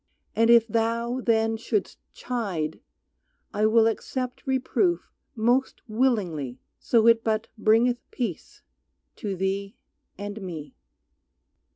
And if thou then shouldst chide I will accept reproof most willingly So it but bringeth peace to thee and me.